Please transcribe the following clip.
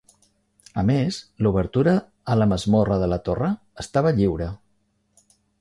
A més, l'obertura a la masmorra de la torre estava lliure.